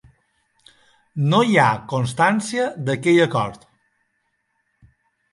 No hi ha constància d'aquell acord.